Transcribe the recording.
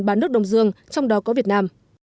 ba nước đông dương trong đó có việt nam